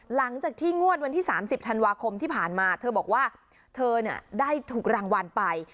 หลังจากที่งวดวันที่๓๐ธันวาคมที่ผ่านมาเธอบอกว่าเธอได้ถูกรางวัลไป